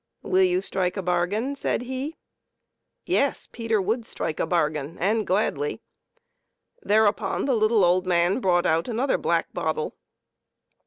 " Will you strike a bargain ?" said he. Yes, Peter would strike a bargain, and gladly. Thereupon the little old man brought out another black bottle.